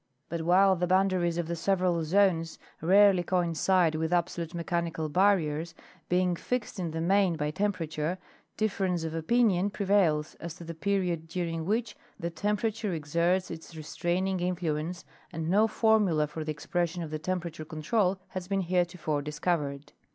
But while the boundaries of the several zones rarely coincide with absolute mechanical barriers, being fixed in the main by temperature, difference of opinion prevails as to the period during which the temperature exerts its restraining influence, and no formula for the expression of the temperature control has been heretofore discovered.